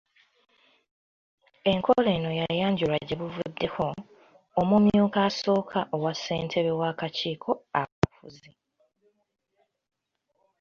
Enkola eno yayanjulwa gyebuvuddeko, Omumyuka Asooka owa Ssentebe w'Akakiiko Akafuzi.